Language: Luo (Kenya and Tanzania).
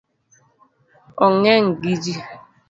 Ong’eny gi ji